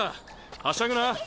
はしゃぐな。